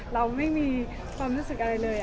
เราไม่มีความรู้สึกอะไรเลย